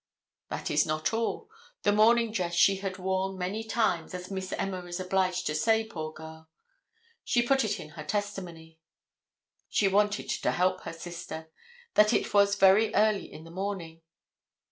That is not all. The morning dress she had worn many times, as Miss Emma is obliged to say, poor girl. She put it in her testimony (she wanted to help her sister) that it was very early in the morning.